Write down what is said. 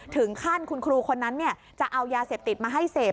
ถึงขั้นคุณครูคนนั้นจะเอายาเสพติดมาให้เสพ